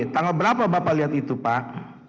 tanggal berapa bapak lihat itu pak